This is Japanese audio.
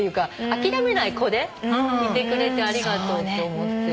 諦めない子でいてくれてありがとうって思って。